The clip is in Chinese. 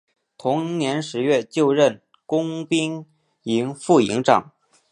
同年十月就任工兵营副营长。